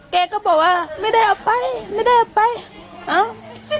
แกก็บอกว่าไม่ได้เอาไปไม่ได้เอาไปเอ้า